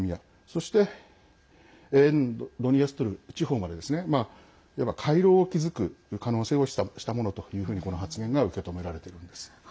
そして、沿ドニエストル地方まで回廊を築く可能性を示唆したものというふうにこの発言が受け止められているんです。